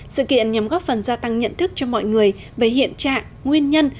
sự kiện nhằm góp phần gia tăng nhận thức cho mọi người về hiện trạng nguyên nhân